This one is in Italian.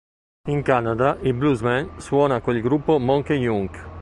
In Canada il "bluesman" suona con il gruppo Monkey Junk.